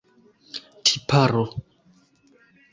tiparo